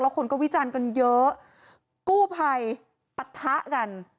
คนก็วิจารณ์กันเยอะกู้ภัยปะทะกัน